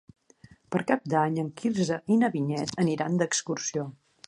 Per Cap d'Any en Quirze i na Vinyet aniran d'excursió.